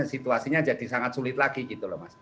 situasinya jadi sangat sulit lagi gitu loh mas